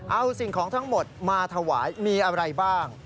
เอาสิ่งของทั้งหมดมาถวายมีอะไรบ้าง